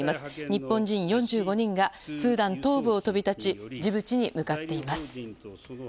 日本人４５人がスーダン東部を飛び立ちジブチに向かっています。